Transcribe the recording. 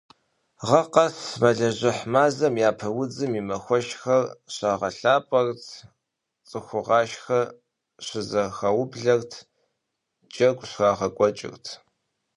Гъэ къэс, мэлыжьыхь мазэм Япэ удзым и махуэшхуэр щагъэлъапӀэрт, цӀыхугъашхэ щызэхаублэрт, джэгу щрагъэкӀуэкӀырт.